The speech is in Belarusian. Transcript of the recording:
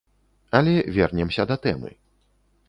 Але вернемся да тэмы.